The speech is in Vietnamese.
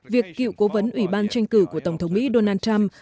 việc cựu cố vấn ủy ban tranh cử của tổng thống mỹ donald trump